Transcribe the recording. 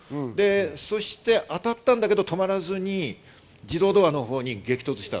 そして当たったんだけど止まらずに自動ドアのほうに激突した。